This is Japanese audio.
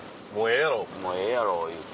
もうええやろって。